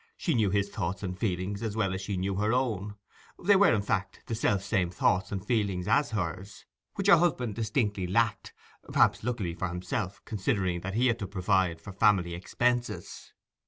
She knew his thoughts and feelings as well as she knew her own; they were, in fact, the self same thoughts and feelings as hers, which her husband distinctly lacked; perhaps luckily for himself; considering that he had to provide for family expenses.